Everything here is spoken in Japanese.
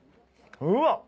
うわっ！